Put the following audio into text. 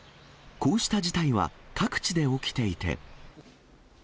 こうした事態は、各地で起きていて。